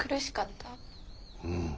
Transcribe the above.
うん。